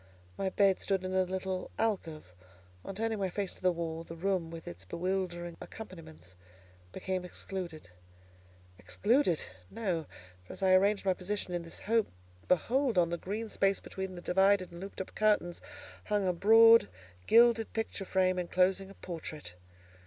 My bed stood in a little alcove; on turning my face to the wall, the room with its bewildering accompaniments became excluded. Excluded? No! For as I arranged my position in this hope, behold, on the green space between the divided and looped up curtains, hung a broad, gilded picture frame enclosing a portrait.